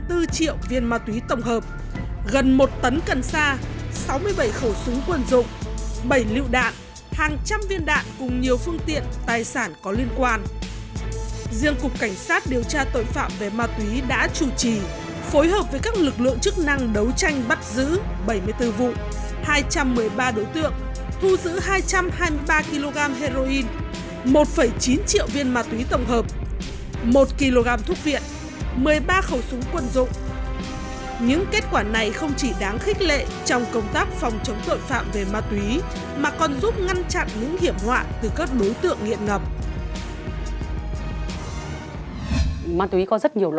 thực hiện nghiêm trị đạo của lãnh đạo các cấp cục cảnh sát điều tra tội phạm về ma túy vừa khẩn trương ứng phó với dịch bệnh covid một mươi chín